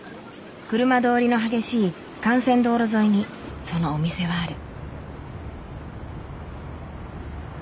車通りの激しい幹線道路沿いにそのお店はある。